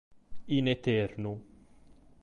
In eternu.